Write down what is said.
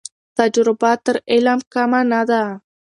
تجربه تر علم کمه نه ده.